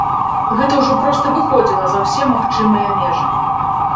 Гэта ўжо проста выходзіла за ўсе магчымыя межы.